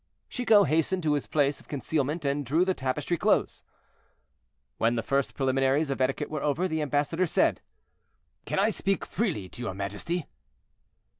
Chicot hastened to his place of concealment, and drew the tapestry close. When the first preliminaries of etiquette were over, the ambassador said: "Can I speak freely to your majesty?"